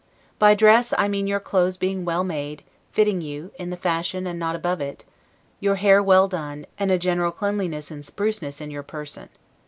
By dress, I mean your clothes being well made, fitting you, in the fashion and not above it; your hair well done, and a general cleanliness and spruceness in your person.